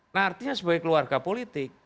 nah artinya sebagai keluarga politik